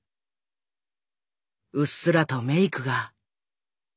うっすらとメイクが。